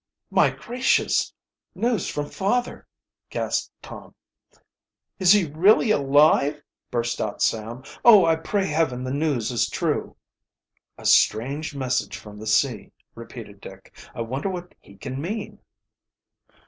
"My gracious! News from father!" gasped Tom. "Is he really alive?" burst out Sam. "Oh, I pray Heaven the news is true!" "A strange message from the sea," repeated Dick. "I wonder what he can mean?"